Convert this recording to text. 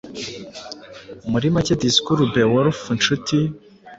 Muri make disikuru Beowulf nshuti